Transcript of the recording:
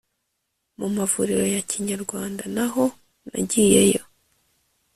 Mumavuriro ya Kinyarwanda naho nagiyeyo